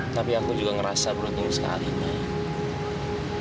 tapi aku juga ngerasa beruntung sekali nih